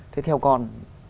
thế theo con